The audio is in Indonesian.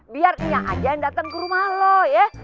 biar kenyang aja yang datang ke rumah lo ya